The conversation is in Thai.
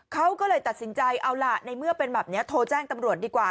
เขาก็เลยตัดสินใจเอาล่ะในเมื่อเป็นแบบนี้โทรแจ้งตำรวจดีกว่า